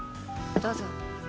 どうぞ。